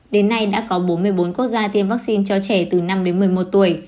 đến nay đã có bốn mươi bốn quốc gia tiêm vaccine cho trẻ từ năm đến một mươi một tuổi